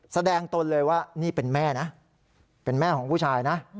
ตนเลยว่านี่เป็นแม่นะเป็นแม่ของผู้ชายนะ